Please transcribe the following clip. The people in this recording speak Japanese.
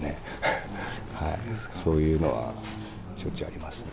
そういうのはしょっちゅうありますね。